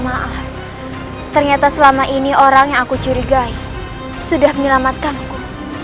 maaf ternyata selama ini orang yang aku curigai sudah menyelamatkanku